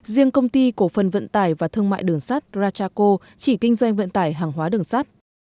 riêng công ty cổ phần vận tải và thương mại đường sát ratchaco chỉ kinh doanh vận tải hàng hóa đường sát